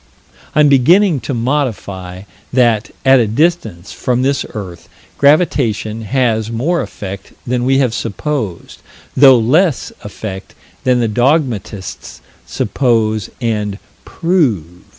I'm beginning to modify: that, at a distance from this earth, gravitation has more effect than we have supposed, though less effect than the dogmatists suppose and "prove."